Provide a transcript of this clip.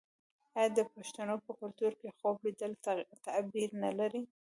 آیا د پښتنو په کلتور کې خوب لیدل تعبیر نلري؟